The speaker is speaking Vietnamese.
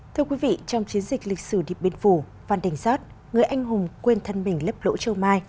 thưa quý vị trong chiến dịch lịch sử điệp biên phủ phan đình giót người anh hùng quên thân mình lấp lỗ châu mai